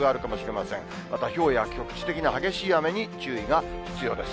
またひょうや局地的な激しい雨に注意が必要です。